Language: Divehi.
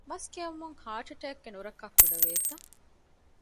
މަސް ކެއުމުން ހާޓް އެޓޭކްގެ ނުރައްކާ ކުޑަވޭތަ؟